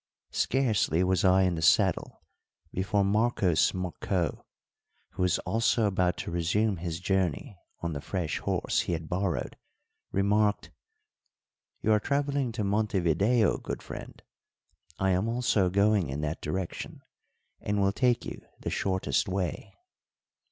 Scarcely was I in the saddle before Marcos Marcó, who was also about to resume his journey on the fresh horse he had borrowed, remarked: "You are travelling to Montevideo, good friend; I am also going in that direction, and will take you the shortest way."